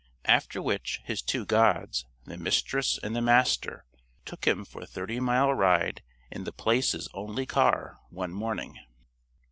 After which, his two gods, the Mistress and the Master took him for a thirty mile ride in The Place's only car, one morning.